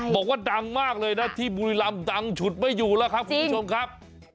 บอกว่าดังมากเลยนะที่บุรีรำดังฉุดไม่อยู่แล้วครับคุณผู้ชมครับ